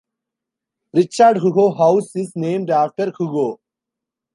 Richard Hugo House is named after Hugo.